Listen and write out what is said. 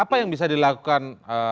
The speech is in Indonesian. apa yang bisa dilakukan